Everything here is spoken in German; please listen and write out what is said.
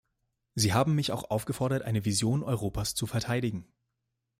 Sie haben mich auch aufgefordert, eine Vision Europas zu verteidigen.